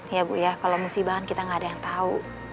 iya bu ya kalau musibah kan kita gak ada yang tau